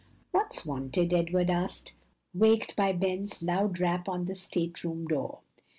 "What's wanted?" Edward asked, waked by Ben's loud rap on the state room door.